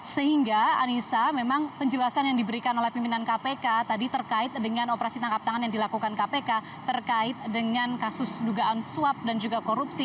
sehingga anissa memang penjelasan yang diberikan oleh pimpinan kpk tadi terkait dengan operasi tangkap tangan yang dilakukan kpk terkait dengan kasus dugaan suap dan juga korupsi